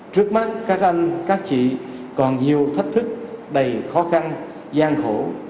trước mắt các anh các chị còn nhiều thách thức đầy khó khăn gian khổ